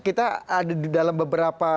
kita ada di dalam beberapa